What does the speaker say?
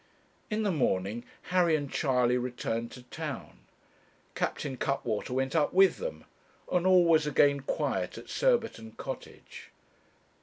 In the morning Harry and Charley returned to town. Captain Cuttwater went up with them; and all was again quiet at Surbiton Cottage.